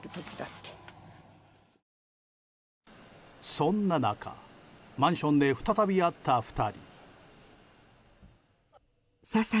そんな中、マンションで再び会った２人。